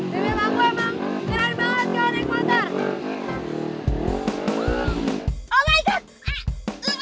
beb emang aku emang keren banget ya on the equator